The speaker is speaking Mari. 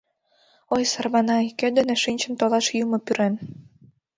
Ой, сарманай, кӧ дене шинчын толаш юмо пӱрен!